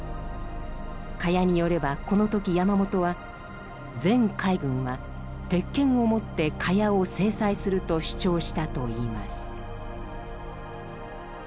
賀屋によればこの時山本は「全海軍は鉄拳をもって賀屋を制裁する」と主張したといいます。